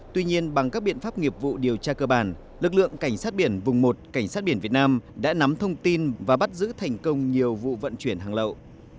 tuy nhiên bằng các biện pháp nghiệp vụ điều tra cơ bản lực lượng cảnh sát biển vùng một cảnh sát biển việt nam đã nắm thông tin và bắt giữ thành công nhiều vụ vận chuyển hàng lậu